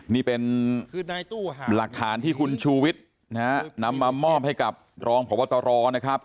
นี่เป็นหลักฐานที่คุณชูวิทย์นะฮะนำมามอบให้กับรองพบตรนะครับ